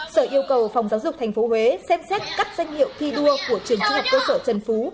sở yêu cầu phòng giáo dục thành phố huế xem xét các danh hiệu thi đua của trường trung học cơ sở trần phú